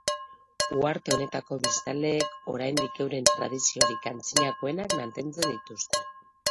Uharte honetako biztanleek, oraindik euren tradiziorik antzinakoenak mantentzen dituzte.